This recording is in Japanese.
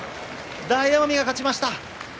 大奄美が勝ちました。